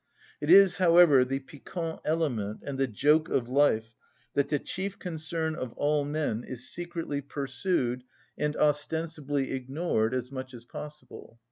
It is, however, the piquant element and the joke of life that the chief concern of all men is secretly pursued and ostensibly ignored as much as possible.